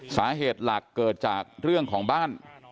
สาเหตุหลักเกิดจากเรื่องของบ้าน